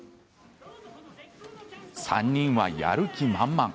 ３人は、やる気満々。